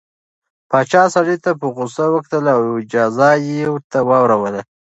پاچا سړي ته په غوسه وکتل او جزا یې ورته واوروله.